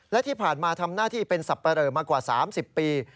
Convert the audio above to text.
และที่ผ่านมาทำหน้าที่เป็นสับปะเหลอมากว่า๓๐ปี